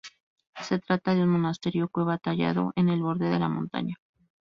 Se trata de un monasterio cueva tallado en el borde de la montaña.